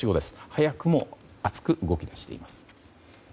早くも熱く動き出しています。